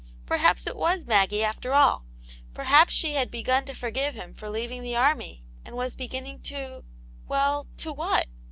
Perhaps it was Maggie after all : perhaps she bad begun to forgive him for leaving the army, and was beginning to— well, to what